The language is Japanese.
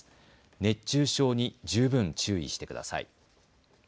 熱中症に十分注意してください。